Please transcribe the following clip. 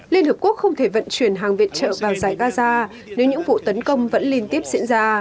liên hợp quốc không thể vận chuyển hàng viện trợ vào giải gaza nếu những vụ tấn công vẫn liên tiếp diễn ra